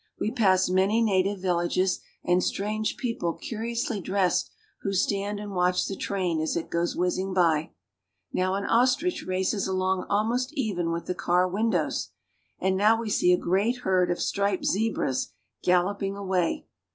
We pass many I jiative villages and strange people curiously dressed who 1 stand and watch the train as it goes whizzing by. Now l an ostrich races along almost even with the car windows, ' and now we see a great herd of striped zebras gaUop ing away.